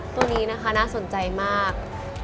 ตัวนี้นะคะน่าสนใจมาก